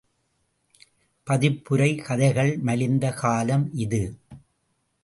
பதிப்புரை கதைகள் மலிந்த காலம் இது.